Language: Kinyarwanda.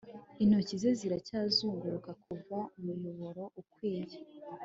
intoki ze ziracyazunguruka kuva umuyoboro ukwiye